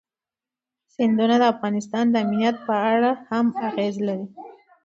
سیندونه د افغانستان د امنیت په اړه هم اغېز لري.